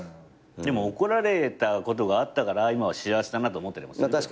でも怒られたことがあったから今は幸せだなと思ったりするけど。